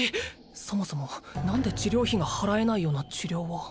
そもそも何で治療費が払えないような治療を？